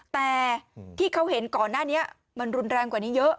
แต่ที่เขาเห็นก่อนหน้านี้มันรุนแรงกว่านี้เยอะ